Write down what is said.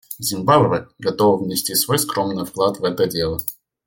Зимбабве готова внести свой скромный вклад в это дело.